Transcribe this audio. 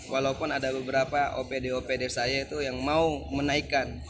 walaupun ada beberapa opd opd saya itu yang mau menaikkan